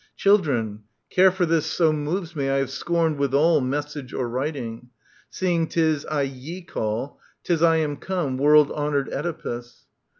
— Children, care For this so moves me, I have scorned withal Message or writing : seeing 'tis I ye call, 'Tis I am come, world honoured Oedipus.